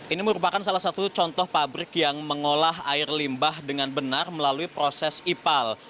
ini merupakan salah satu contoh pabrik yang mengolah air limbah dengan benar melalui proses ipal